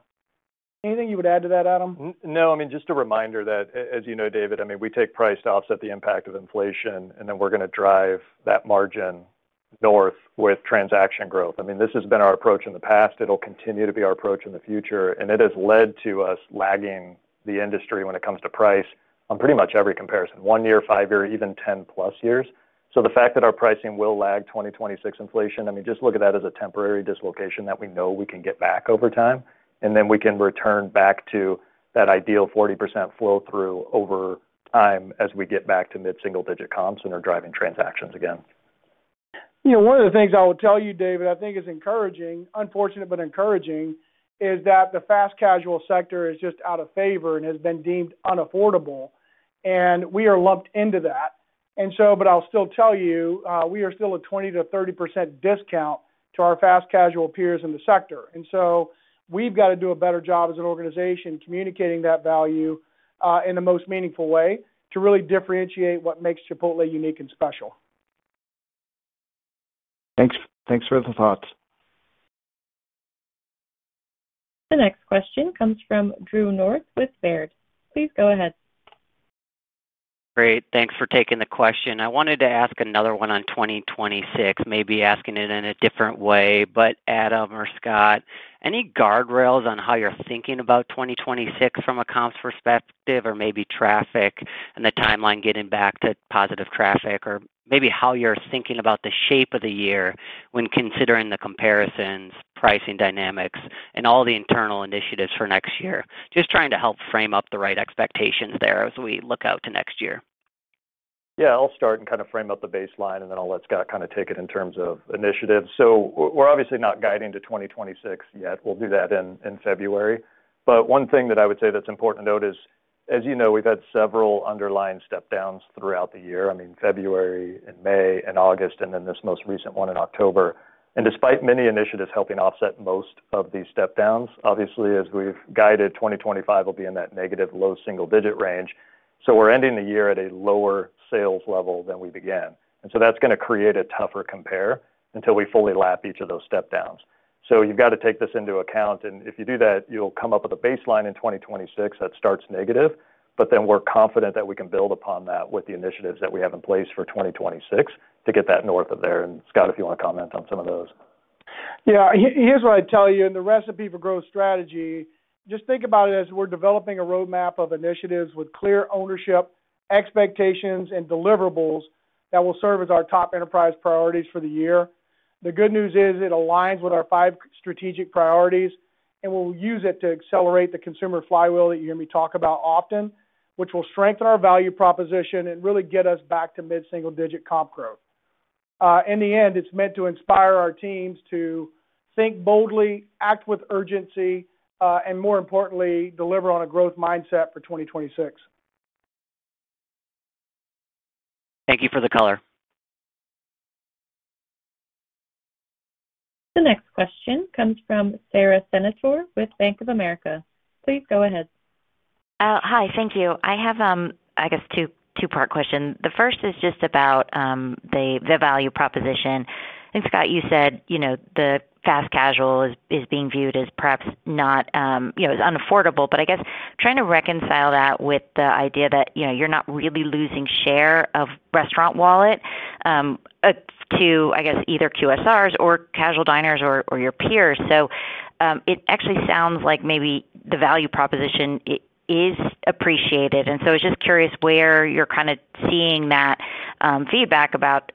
Anything you would add to that, Adam? No, I mean, just a reminder that, as you know, David, we take price to offset the impact of inflation, and then we're going to drive that margin north with transaction growth. This has been our approach in the past. It'll continue to be our approach in the future, and it has led to us lagging the industry when it comes to price on pretty much every comparison, one year, five year, even 10+ years. The fact that our pricing will lag 2026 inflation, just look at that as a temporary dislocation that we know we can get back over time, and then we can return back to that ideal 40% flow-through over time as we get back to mid-single-digit comps and are driving transactions again. You know, one of the things I will tell you, David, I think is encouraging, unfortunate, but encouraging, is that the fast casual sector is just out of favor and has been deemed unaffordable, and we are lumped into that. I will still tell you, we are still a 20%-30% discount to our fast casual peers in the sector. We have got to do a better job as an organization communicating that value in the most meaningful way to really differentiate what makes Chipotle unique and special. Thanks for the thoughts. The next question comes from Drew North with Baird. Please go ahead. Great, thanks for taking the question. I wanted to ask another one on 2026, maybe asking it in a different way. Adam or Scott, any guardrails on how you're thinking about 2026 from a comps perspective or maybe traffic and the timeline getting back to positive traffic, or maybe how you're thinking about the shape of the year when considering the comparisons, pricing dynamics, and all the internal initiatives for next year? Just trying to help frame up the right expectations there as we look out to next year. Yeah, I'll start and kind of frame up the baseline, and then I'll let Scott kind of take it in terms of initiatives. We're obviously not guiding to 2026 yet. We'll do that in February. One thing that I would say that's important to note is, as you know, we've had several underlying step-downs throughout the year: February, May, August, and then this most recent one in October. Despite many initiatives helping offset most of these step-downs, obviously, as we've guided, 2025 will be in that negative low single-digit range. We're ending the year at a lower sales level than we began, and that's going to create a tougher compare until we fully lap each of those step-downs. You've got to take this into account, and if you do that, you'll come up with a baseline in 2026 that starts negative, but then we're confident that we can build upon that with the initiatives that we have in place for 2026 to get that north of there. Scott, if you want to comment on some of those. Yeah, here's what I'd tell you. In the recipe for growth strategy, just think about it as we're developing a roadmap of initiatives with clear ownership, expectations, and deliverables that will serve as our top enterprise priorities for the year. The good news is it aligns with our five strategic priorities, and we'll use it to accelerate the consumer flywheel that you hear me talk about often, which will strengthen our value proposition and really get us back to mid-single-digit comp growth. In the end, it's meant to inspire our teams to think boldly, act with urgency, and more importantly, deliver on a growth mindset for 2026. Thank you for the color. The next question comes from Sara Senatore with Bank of America. Please go ahead. Hi, thank you. I have, I guess, two-part questions. The first is just about the value proposition. I think, Scott, you said, you know, the fast casual is being viewed as perhaps not, you know, as unaffordable, but I guess trying to reconcile that with the idea that, you know, you're not really losing share of restaurant wallet to, I guess, either QSRs or casual diners or your peers. It actually sounds like maybe the value proposition is appreciated. I was just curious where you're kind of seeing that feedback about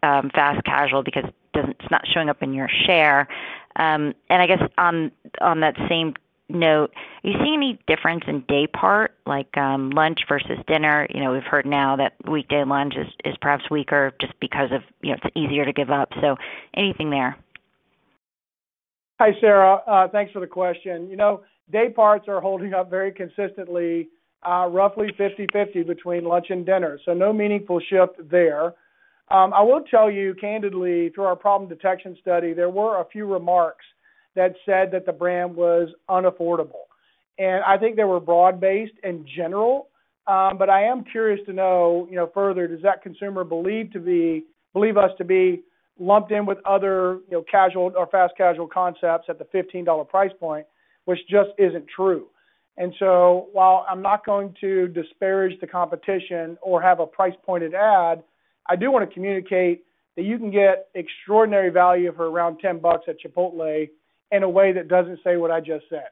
fast casual because it's not showing up in your share. I guess on that same note, are you seeing any difference in day part, like lunch versus dinner? You know, we've heard now that weekday lunch is perhaps weaker just because of, you know, it's easier to give up. Anything there? Hi, Sara. Thanks for the question. You know, day parts are holding up very consistently, roughly 50/50 between lunch and dinner. No meaningful shift there. I will tell you candidly, through our problem detection study, there were a few remarks that said that the brand was unaffordable. I think they were broad-based in general, but I am curious to know further, does that consumer believe us to be lumped in with other, you know, casual or fast casual concepts at the $15 price point, which just isn't true. While I'm not going to disparage the competition or have a price-pointed ad, I do want to communicate that you can get extraordinary value for around $10 at Chipotle in a way that doesn't say what I just said.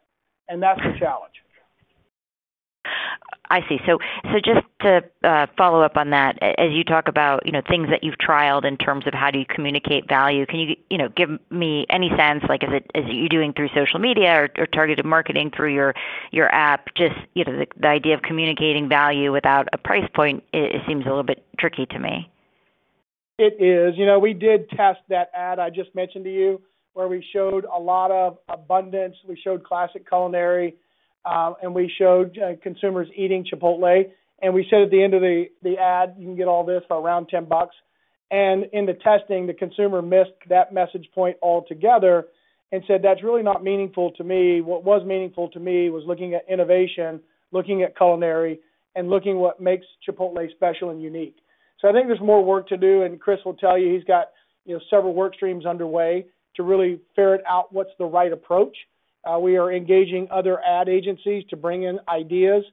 That's the challenge. I see. Just to follow up on that, as you talk about things that you've trialed in terms of how do you communicate value, can you give me any sense, like is it you doing through social media or targeted marketing through your app? The idea of communicating value without a price point, it seems a little bit tricky to me. It is. You know, we did test that ad I just mentioned to you where we showed a lot of abundance, we showed classic culinary, and we showed consumers eating Chipotle. We said at the end of the ad, you can get all this for around $10. In the testing, the consumer missed that message point altogether and said, that's really not meaningful to me. What was meaningful to me was looking at innovation, looking at culinary, and looking at what makes Chipotle special and unique. I think there's more work to do, and Chris will tell you he's got several work streams underway to really ferret out what's the right approach. We are engaging other ad agencies to bring in ideas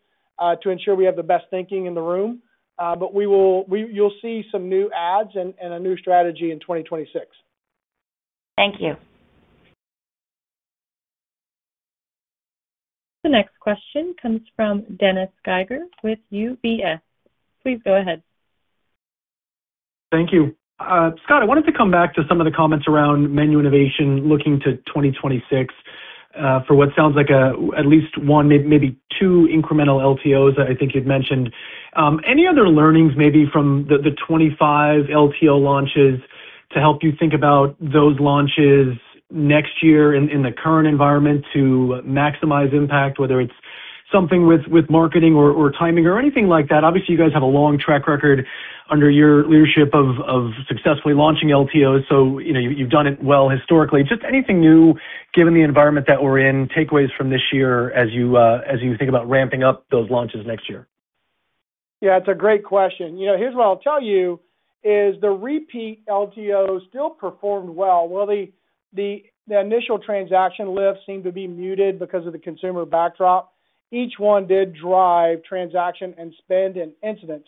to ensure we have the best thinking in the room. You will see some new ads and a new strategy in 2026. Thank you. The next question comes from Dennis Geiger with UBS. Please go ahead. Thank you. Scott, I wanted to come back to some of the comments around menu innovation looking to 2026 for what sounds like at least one, maybe two incremental LTOs I think you'd mentioned. Any other learnings maybe from the 25 LTO launches to help you think about those launches next year in the current environment to maximize impact, whether it's something with marketing or timing or anything like that? Obviously, you guys have a long track record under your leadership of successfully launching LTOs, so you've done it well historically. Just anything new given the environment that we're in, takeaways from this year as you think about ramping up those launches next year? Yeah, it's a great question. Here's what I'll tell you: the repeat LTOs still performed well. While the initial transaction lifts seemed to be muted because of the consumer backdrop, each one did drive transaction and spend in incidents.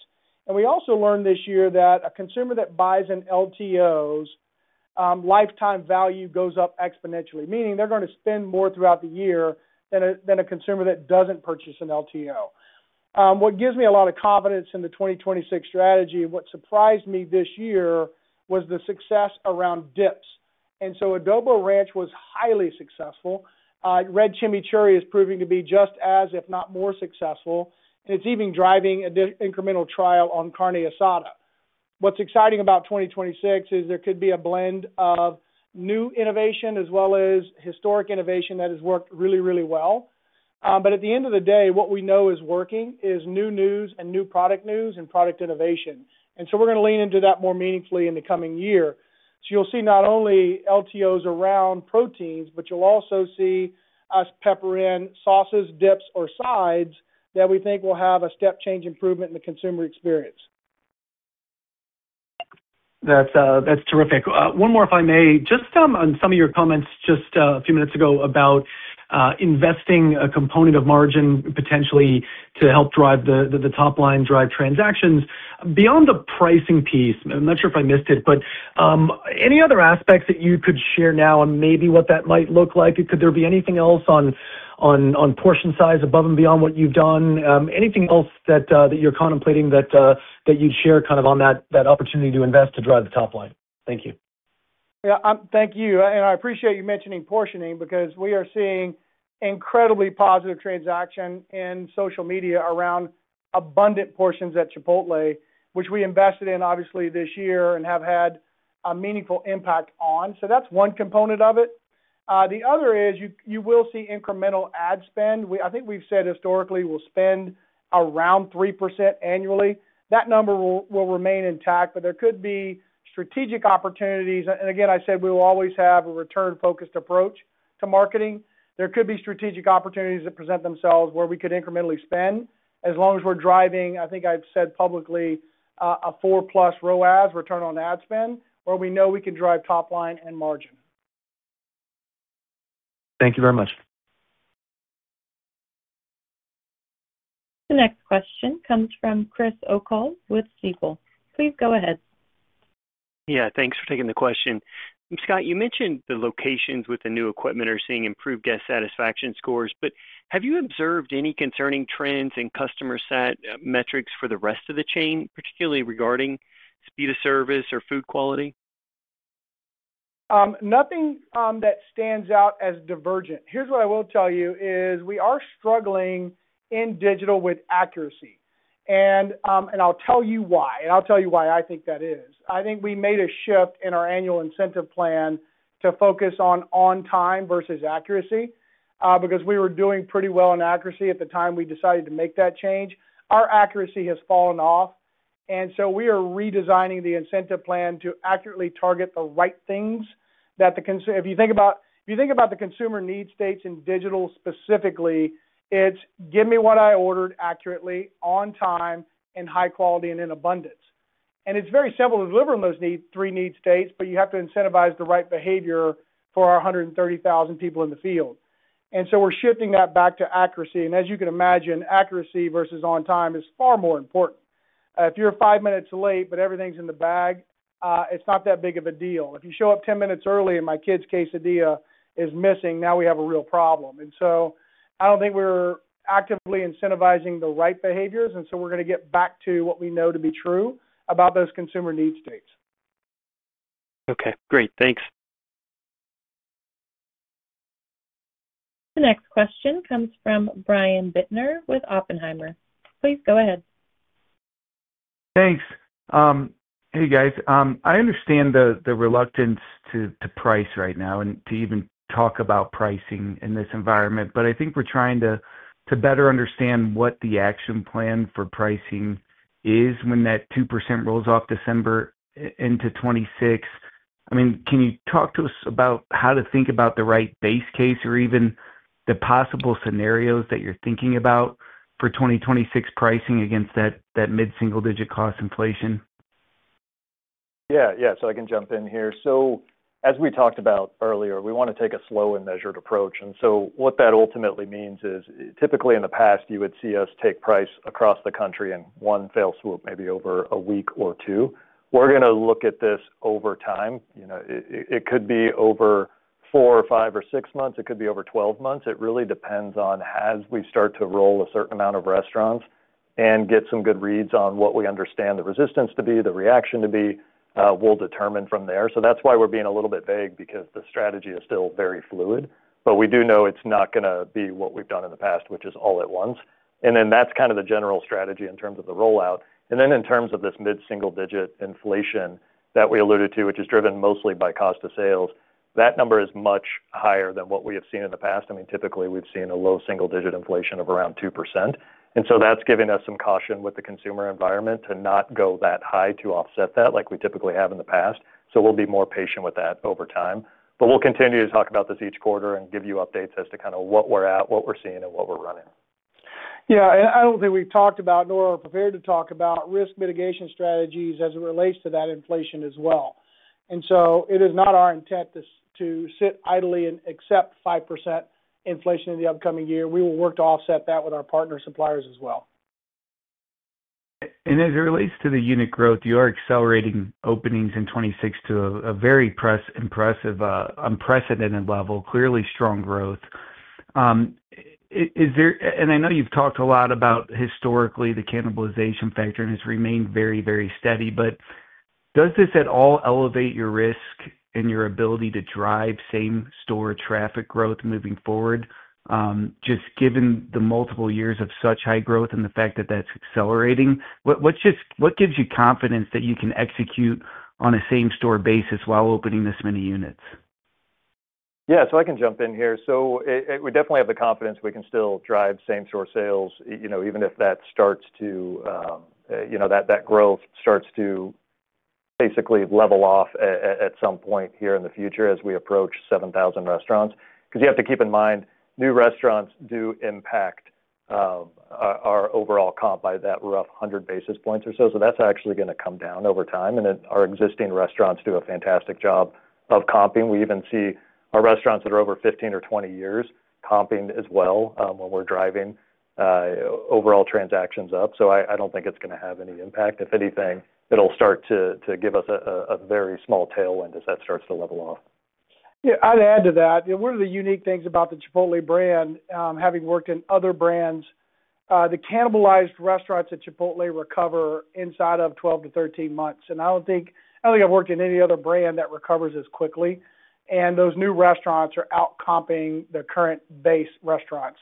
We also learned this year that a consumer that buys an LTO's lifetime value goes up exponentially, meaning they're going to spend more throughout the year than a consumer that doesn't purchase an LTO. What gives me a lot of confidence in the 2026 strategy, what surprised me this year was the success around dips. Adobo Ranch was highly successful. Red Chimichurri is proving to be just as, if not more, successful, and it's even driving an incremental trial on Carne Asada. What's exciting about 2026 is there could be a blend of new innovation as well as historic innovation that has worked really, really well. At the end of the day, what we know is working is new news and new product news and product innovation. We're going to lean into that more meaningfully in the coming year. You'll see not only LTOs around proteins, but you'll also see us pepper in sauces, dips, or sides that we think will have a step change improvement in the consumer experience. That's terrific. One more, if I may, just on some of your comments a few minutes ago about investing a component of margin potentially to help drive the top line, drive transactions. Beyond the pricing piece, I'm not sure if I missed it, but any other aspects that you could share now on maybe what that might look like? Could there be anything else on portion size above and beyond what you've done? Anything else that you're contemplating that you'd share on that opportunity to invest to drive the top line? Thank you. Yeah, thank you. I appreciate you mentioning portioning because we are seeing incredibly positive transaction in social media around abundant portions at Chipotle, which we invested in obviously this year and have had a meaningful impact on. That's one component of it. The other is you will see incremental ad spend. I think we've said historically we'll spend around 3% annually. That number will remain intact, but there could be strategic opportunities. I said we will always have a return-focused approach to marketing. There could be strategic opportunities that present themselves where we could incrementally spend as long as we're driving, I think I've said publicly, a 4+ ROAS, return on ad spend, where we know we can drive top line and margin. Thank you very much. The next question comes from Chris O'Cull with Stifel. Please go ahead. Yeah, thanks for taking the question. Scott, you mentioned the locations with the new equipment are seeing improved guest satisfaction scores, but have you observed any concerning trends in customer set metrics for the rest of the chain, particularly regarding speed of service or food quality? Nothing that stands out as divergent. Here's what I will tell you is we are struggling in digital with accuracy, and I'll tell you why. I think we made a shift in our annual incentive plan to focus on on-time versus accuracy because we were doing pretty well in accuracy at the time we decided to make that change. Our accuracy has fallen off, and we are redesigning the incentive plan to accurately target the right things that the consumer, if you think about the consumer needs states in digital specifically, it's give me what I ordered accurately, on time, and high quality, and in abundance. It's very simple to deliver on those three needs states, but you have to incentivize the right behavior for our 130,000 people in the field. We are shifting that back to accuracy. As you can imagine, accuracy versus on time is far more important. If you're five minutes late but everything's in the bag, it's not that big of a deal. If you show up 10 minutes early and my kid's quesadilla is missing, now we have a real problem. I don't think we're actively incentivizing the right behaviors, and we are going to get back to what we know to be true about those consumer needs states. Okay, great. Thanks. The next question comes from Brian Bittner with Oppenheimer. Please go ahead. Thanks. Hey guys, I understand the reluctance to price right now and to even talk about pricing in this environment, but I think we're trying to better understand what the action plan for pricing is when that 2% rolls off December into 2026. I mean, can you talk to us about how to think about the right base case or even the possible scenarios that you're thinking about for 2026 pricing against that mid-single-digit cost inflation? Yeah, I can jump in here. As we talked about earlier, we want to take a slow and measured approach. What that ultimately means is typically in the past, you would see us take price across the country in one fell swoop, maybe over a week or two. We're going to look at this over time. It could be over four or five or six months. It could be over 12 months. It really depends on as we start to roll a certain amount of restaurants and get some good reads on what we understand the resistance to be, the reaction to be, we'll determine from there. That's why we're being a little bit vague because the strategy is still very fluid. We do know it's not going to be what we've done in the past, which is all at once. That's kind of the general strategy in terms of the rollout. In terms of this mid-single-digit inflation that we alluded to, which is driven mostly by cost of sales, that number is much higher than what we have seen in the past. Typically we've seen a low single-digit inflation of around 2%. That's giving us some caution with the consumer environment to not go that high to offset that like we typically have in the past. We'll be more patient with that over time. We'll continue to talk about this each quarter and give you updates as to kind of where we're at, what we're seeing, and what we're running. Yeah, I don't think we've talked about, nor are prepared to talk about risk mitigation strategies as it relates to that inflation as well. It is not our intent to sit idly and accept 5% inflation in the upcoming year. We will work to offset that with our partner suppliers as well. As it relates to the unit growth, you are accelerating openings in 2026 to a very impressive, unprecedented level, clearly strong growth. I know you've talked a lot about historically the cannibalization factor and it's remained very, very steady, but does this at all elevate your risk and your ability to drive same-store traffic growth moving forward, just given the multiple years of such high growth and the fact that that's accelerating? What gives you confidence that you can execute on a same-store basis while opening this many units? Yeah, I can jump in here. We definitely have the confidence we can still drive same-store sales, even if that growth starts to basically level off at some point here in the future as we approach 7,000 restaurants. You have to keep in mind, new restaurants do impact our overall comp by that rough 100 basis points or so. That's actually going to come down over time, and our existing restaurants do a fantastic job of comping. We even see our restaurants that are over 15 or 20 years comping as well when we're driving overall transactions up. I don't think it's going to have any impact. If anything, it'll start to give us a very small tailwind as that starts to level off. Yeah, I'd add to that. You know, one of the unique things about the Chipotle brand, having worked in other brands, the cannibalized restaurants at Chipotle recover inside of 12-13 months. I don't think I've worked in any other brand that recovers as quickly. Those new restaurants are out comping the current base restaurants.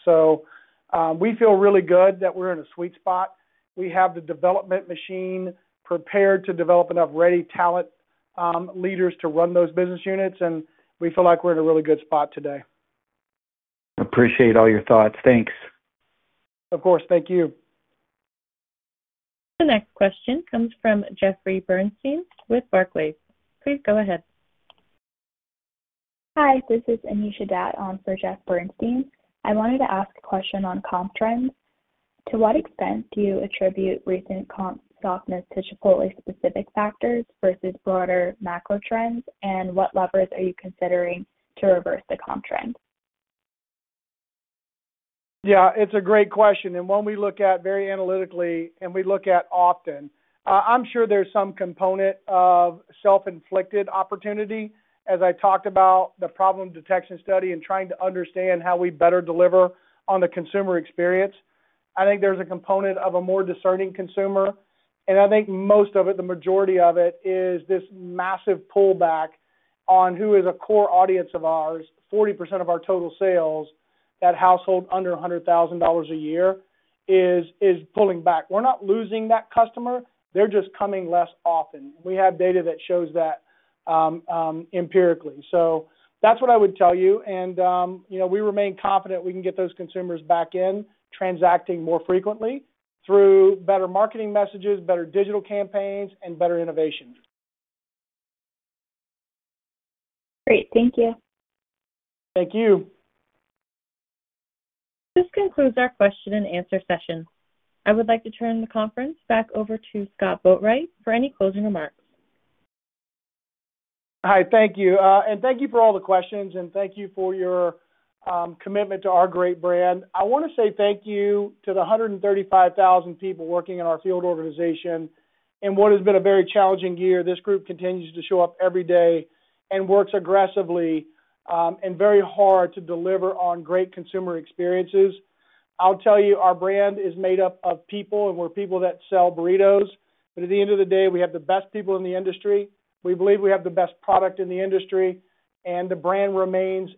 We feel really good that we're in a sweet spot. We have the development machine prepared to develop enough ready talent leaders to run those business units, and we feel like we're in a really good spot today. Appreciate all your thoughts. Thanks. Of course, thank you. The next question comes from Jeffrey Bernstein with Barclays. Please go ahead. Hi, this is Anisha Datt on for Jeff Bernstein. I wanted to ask a question on comp trends. To what extent do you attribute recent comp softness to Chipotle-specific factors versus broader macro trends, and what levers are you considering to reverse the comp trend? Yeah, it's a great question. When we look at it very analytically, and we look at it often, I'm sure there's some component of self-inflicted opportunity. As I talked about the problem detection study and trying to understand how we better deliver on the consumer experience, I think there's a component of a more discerning consumer. I think most of it, the majority of it, is this massive pullback on who is a core audience of ours. 40% of our total sales, that household under $100,000 a year, is pulling back. We're not losing that customer. They're just coming less often. We have data that shows that empirically. That's what I would tell you. We remain confident we can get those consumers back in transacting more frequently through better marketing messages, better digital campaigns, and better innovations. Great, thank you. Thank you. This concludes our question and answer session. I would like to turn the conference back over to Scott Boatwright for any closing remarks. Hi, thank you. Thank you for all the questions, and thank you for your commitment to our great brand. I want to say thank you to the 135,000 people working in our field organization. In what has been a very challenging year, this group continues to show up every day and works aggressively and very hard to deliver on great consumer experiences. I'll tell you, our brand is made up of people, and we're people that sell burritos. At the end of the day, we have the best people in the industry. We believe we have the best product in the industry, and the brand remains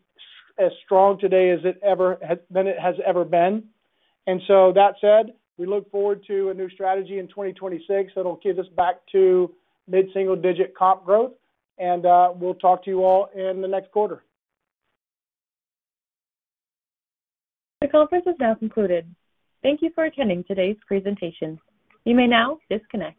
as strong today as it ever has ever been. That said, we look forward to a new strategy in 2026. It'll get us back to mid-single-digit comp growth, and we'll talk to you all in the next quarter. The conference is now concluded. Thank you for attending today's presentation. You may now disconnect.